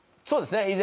そうですね。